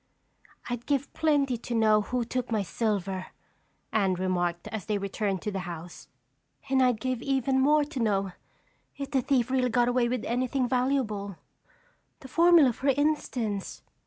"I'd give plenty to know who took my silver," Anne remarked as they returned to the house. "And I'd give even more to know if the thief really got away with anything valuable—the formula for instance."